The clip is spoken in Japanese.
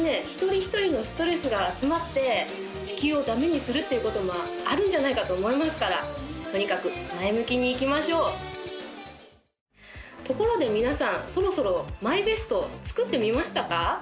一人一人のストレスが集まって地球をダメにするっていうことはあるんじゃないかと思いますからとにかく前向きに生きましょうところで皆さんそろそろＭＹＢＥＳＴ作ってみましたか？